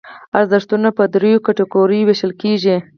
ارزښتونه په دریو کټګوریو ویشل کېږي.